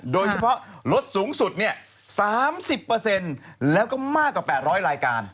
โดยเฉพาะลดสูงสุด๓๐แล้วก็มากกว่า๘๐๐รายการ